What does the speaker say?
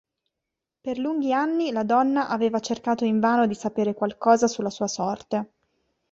Per lunghi anni la donna aveva cercato invano di sapere qualcosa sulla sua sorte.